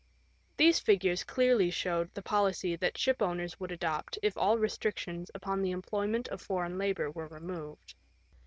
These figures clearly showed the policy the shipowners would adopt if all restrictions upon the employment of foreign labour were removed.